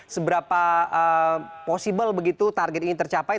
seberapa possible begitu target ini tercapai